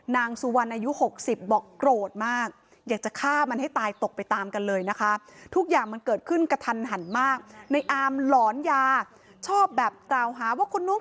นางสุวรรณอายุ๖๐บอกโกรธมาก